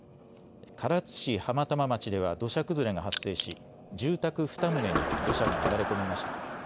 唐津市浜玉町では土砂崩れが発生し住宅２棟に土砂が流れ込みました。